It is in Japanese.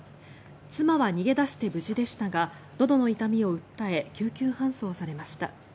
妻は逃げ出して無事でしたがのどの痛みを訴え救急搬送されました。